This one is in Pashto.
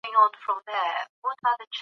کثافات په سیندونو کې مه اچوئ.